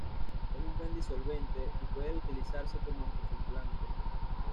Es un buen disolvente, y puede utilizarse como anticongelante.